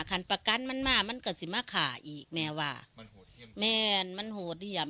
คันประกันมันมามันเกิดสิมาขาอีกแม่ว่ามันโหดเยี่ยมแม่มันโหดเยี่ยม